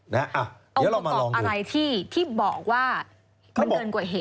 เอาประกอบอะไรที่บอกว่ามันเกินกว่าเหตุ